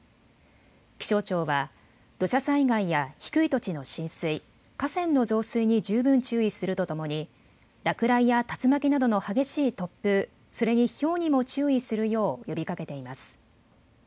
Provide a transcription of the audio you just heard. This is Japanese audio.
気象庁は土砂災害や低い土地の浸水、河川の増水に十分注意するとともに落雷や竜巻などの激しい突風、それにひょうにも注意するよう呼びかけています。